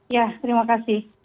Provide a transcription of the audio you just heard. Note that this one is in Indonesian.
ya terima kasih